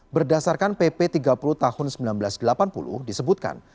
berdasarkan pp tiga puluh tahun seribu sembilan ratus delapan puluh disebutkan